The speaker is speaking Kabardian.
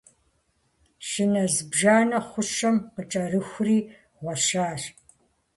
Щынэ зыбжанэ хъушэм къыкӀэрыхури, гъуэщащ.